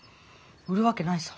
売るわけないさ。